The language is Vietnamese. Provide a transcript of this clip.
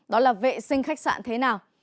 đó là vệ sinh khách sạn thế nào